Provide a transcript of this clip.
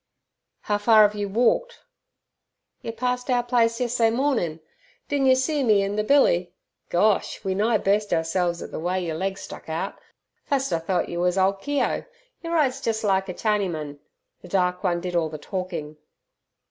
"How far have you walked?" "Yer parst our place yesserday mornin'. Didn' yer see me an' ther billy? Gosh, we nigh bust oursels at ther way yer legs stuck out. Fust I thort yer wus ole Keogh. Yer rides jes' like er Chinymun." The dark one did all the talking.